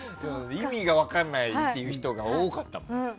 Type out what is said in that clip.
意味が分からないっていう人が多かったもん。